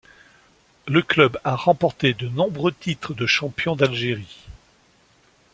Le club a remporté de nombreux titres de champions d'Algérie.